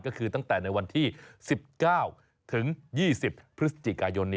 ก็คือตั้งแต่ในวันที่๑๙ถึง๒๐พฤศจิกายน